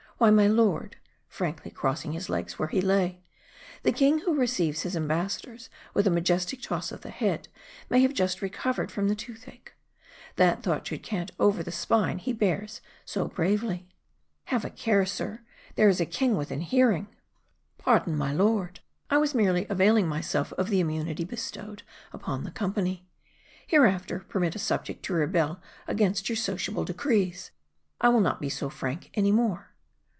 Why, my lord," frankly crossing his legs where he lay " the king, who receives his embassadors with a majestic toss of the head, may have just recovered from the tooth ache. That thought should cant over the spine he bears so bravely." M A R D I. 245 "Have a care, sir ! there is a king within hearing." " Pardon, my lord ; I was merely availing myself of the immunity bestowed upon the company. Hereafter, permit a subject to rebel against your sociable decrees. I will not be so frank ahy more."